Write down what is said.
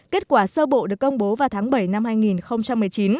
kết quả sơ bộ được công bố vào tháng bảy năm hai nghìn một mươi chín